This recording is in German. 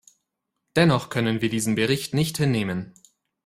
Dennoch können wir diesen Bericht nicht hinnehmen.